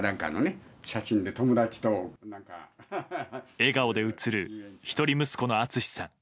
笑顔で写る一人息子の敦さん。